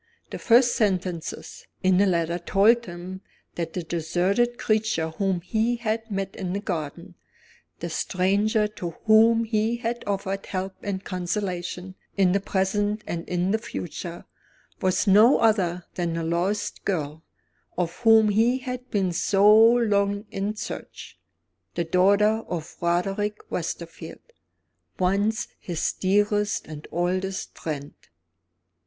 The first sentences in the letter told him that the deserted creature whom he had met in the garden the stranger to whom he had offered help and consolation in the present and in the future was no other than the lost girl of whom he had been so long in search; the daughter of Roderick Westerfield, once his dearest and oldest friend.